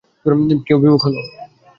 কেউ বিমুখ হল।